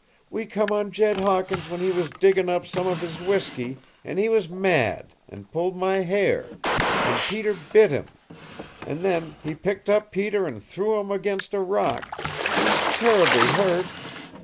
"We come on Jed Hawkins when he was diggin' up some of his whiskey, and he was mad, and pulled my hair, and Peter bit him and then he picked up Peter and threw him against a rock and he's terribly hurt!